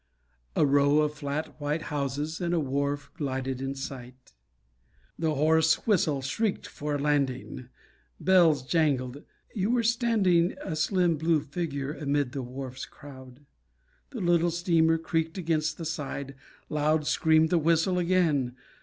A row Of flat white houses and a wharf Glided in sight. The hoarse whistle shrieked for a landing; Bells jangled.... You were standing A slim blue figure amid the wharf's crowd; The little steamer creaked against the side, loud Screamed the whistle again....